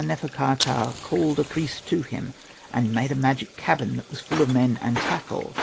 nefer.ka.ptah called a priest to him, and made a magic cabin that was full of men and tackle.